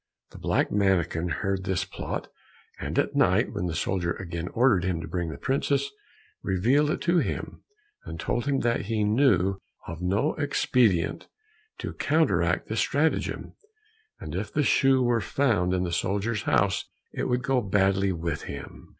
The black mannikin heard this plot, and at night when the soldier again ordered him to bring the princess, revealed it to him, and told him that he knew of no expedient to counteract this stratagem, and that if the shoe were found in the soldier's house it would go badly with him.